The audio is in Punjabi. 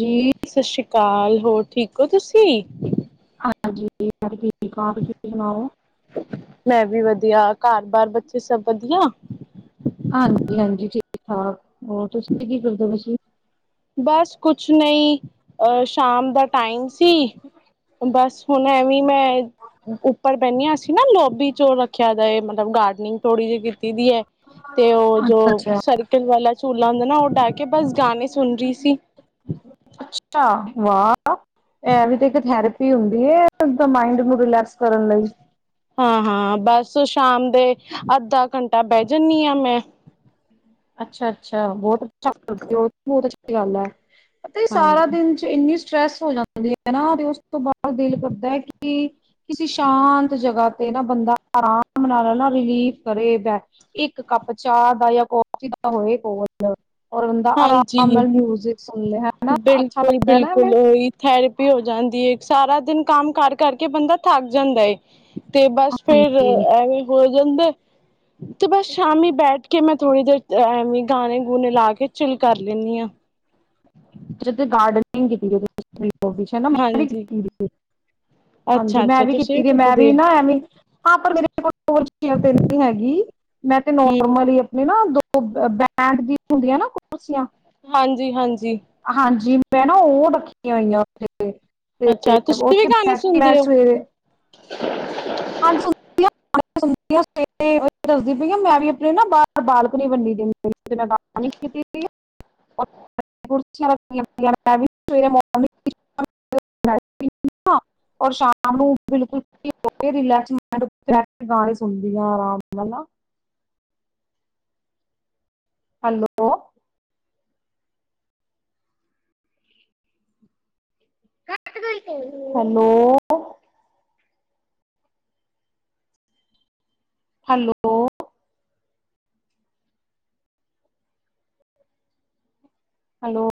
ਜੀ ਸਤਿ ਸ੍ਰੀ ਅਕਾਲ ਕਾਲ ਹੋਰ ਠੀਕ ਹੋ ਤੁਸੀਂ ਹਾਂਜੀ ਯ ਠੀਕ ਤੁਸੀ ਸੁਣਾਓ ਵੀ ਵਧੀਆ ਘਰ ਬਰ ਬੱਚੇ ਸਭ ਵਧੀਆ ਹਾਂ ਹਾਂਜੀ ਠੀਕ ਠਾਕ ਹੋਰ ਤੁਸੀਂ ਕੀ ਕਰਦੇ ਤੁਸੀਂ ਬਸ ਕੁਛ ਨਹੀਂ ਸ਼ਾਮ ਦਾ ਟਾਈਮ ਸੀ ਬਸ ਹੁਣ ਐਵੇਂ ਮੈਂ ਉੱਪਰ ਬਹਿੰਦੀ ਹ ਸੀਣਾ ਲੋਭ ਵੀ ਚੋ ਰੱਖਿਆ ਦਾ ਏ। ਮਤਲਬ ਗਾਰਡਨਿੰਗ ਥੋੜੀ ਜਿਹੀ ਕੀਤੀ ਦੀ ਐ। ਤੇ ਉਹ ਜੋ ਅੱਛਾ ਅੱਛਾ ਸਰਕਲ ਵਾਲਾ ਝੂਲ ਲੌਂਦਾ ਨਾ ਉਡਾ ਕੇ ਬਸ ਜਾ ਸੁਣਰੀ ਸੀ। ਅੱਛਾ ਵਾਹ, ਐ ਵੀ ਤੇ ਇੱਕ ਥੈਰੇਪੀ ਹੁੰਦੀ ਐ। ਮਾਇੰਡ ਨੂੰ ਰਿਲੈਕਸ ਕਰਨ ਲਈ। ਹਾਂ ਹਾਂ ਬਸ ਸ਼ਾਮ ਦੇ ਅੱਧਾ ਘੰਟਾ ਬਹਿ ਜਾਂਨੀ ਆਂ ਮੈਂ। ਅੱਛਾ ਅੱਛਾ, ਬਹੁਤ [unintelligible] ਈ ਗੱਲ ਐ। ਪਤਾ ਇਹ ਸਾਰਾ ਹਾਂਜੀ ਦਿਨ ਚ ਇੰਨੀ ਸ ਸਟ੍ਰੈਸ ਹੋ ਜਾਂਦੀ ਐ ਨਾ। ਤੇ ਉਸ ਤੋਂ ਬਾਅਦ ਦਿਲ ਕਰਦਾ ਐ ਕਿ ਕਿਸੇ ਸ਼ਾਂਤ ਜਗ੍ਹਾ ਤੇ ਨਾ ਬੰਦਾ ਆਰਾਮ ਨਾਲ ਨਾ ਰਿਲੀਫ ਕਰੇ ਬਹਿ। ਇੱਕ ਕੱਪ ਚਾਹ ਦਾ ਜਾਂ ਕੌਫ ਈ ਦਾ ਹੋਏ ਕੋਲ। [unintelligible] ਔਰ ਬੰਦਾ ਆਰਾਮ ਹਾਂਜੀ ਨਾਲ ਮਿਊਜਿਕ ਸ ਬਿਲਕੁਲ ਬਿਲਕੁਲ ਉਹੀ ਥੈਰੇਪੀ ਹੋ ਜਾਂਦੀ ਐ। ਸਾਰਾ ਦਿਨ ਕੰਮ ਕਰ ਕਰਕੇ ਬੰਦਾ ਥੱਕ ਜਾਂਦਾ ਏ। ਤੇ ਬਸ ਫੇਰ ਹਾਂਜੀ ਐਵੇਂ ਹੋ ਕੇਂਦੇ ਤੇ ਬਸ ਸ਼ਾਮੀ ਬੈਠ ਕੇ ਮੈਂ ਥੋੜ੍ਹੀ ਦੇਰ, ਐਵੇਂ ਗਾਣੇ ਗੂਣੇ ਲਾ ਕੇ ਚਿੱਲ ਕਰ ਲੈਂਨੀ ਆਂ। ਅੱਛਾ ਤੁਹੀ ਗਾਰਡਨਿੰਗ ਕੀਤੀ [unintelligible] [unintelligible] ਚ ਮੈਂ ਵੀ ਹਾਂਜੀ ਕੀਤੀ ਦੀ ਏ। ਹਾਂਜੀ ਅੱਛਾ ਮੈਂ ਅੱਛਾ ਵੀ ਤੁਸੀਂ ਕੀਤੀ ਦੀ ਆ, ਕਿਤੇ ਮੈਂ ਦੇ ਵੀ ਨਾ ਐਵੇਂ ਹਾਂ ਪਰ ਮੇਰੇ ਕੋ ਤੇ [unintelligible] ਨੀ ਹੈਗੀ ਮੈਂ ਤੇ ਹਮ ਨੋਰਮਲ ਆਪਣੀ ਨਾ ਦੋ ਉਹ ਬੈਂਡ ਦੀਆਂ ਹੁੰਦੀਆਂ ਨਾ ਕੁਰਸੀਆਂ ਹਾਂਜੀ ਹਾਂਜੀ। ਹਾਂਜੀ। ਮੈਂ ਨਾ ਉਹ ਰੱਖੀਆਂ ਹੋਈਆਂ ਉਥੇ ਤੇ ਅੱਛਾ ਤੁਸੀਂ ਵੀ ਓਥੇ ਗਾਣੇ ਬੈਠਦੇ ਆ ਸੁਣਦੇ ਹੋ ਸਵੇਰੇ। [inaudible] [unintelligible] ਹ ਦੱਸਦੀ ਪਈਆਂ [inaudible] ਮੈਂ ਵੀ ਆਪਣੇ ਨਾ ਬਾਹਰ ਬਾਲਕਨੀ ਬਣੀ ਦੀ ਆ। [unintelligible] [inaudible] ਸ਼ਾਮ ਨੂੰ ਬਿਲਕੁਲ [unintelligible] ਰਿਲੈਕਸ [unintelligible] ਗਾਣੇ ਸੁਣਦੀ ਆ ਆਰਾਮ ਨਾਲ ਨਾ ਹੈਲੋ। ਹੈਲੋ। ਹੈਲੋ। ਹੈਲੋ।